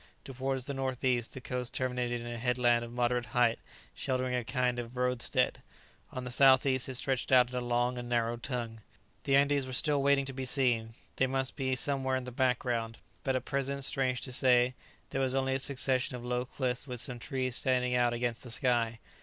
Towards the north east the coast terminated in a headland of moderate height sheltering a kind of roadstead; on the south east it stretched out in a long and narrow tongue. The Andes were still wanting to the scene; they must be somewhere in the background; but at present, strange to say, there was only a succession of low cliffs with some trees standing out against the sky.